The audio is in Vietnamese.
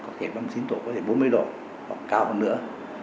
có thể ba mươi chín độ có thể bốn mươi độ hoặc cao hơn nữa